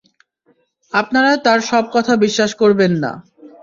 আপনারা তার সব কথা বিশ্বাস করবেন না।